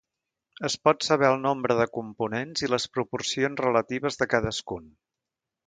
Es pot saber el nombre de components i les proporcions relatives de cadascun.